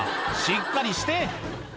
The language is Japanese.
しっかりして！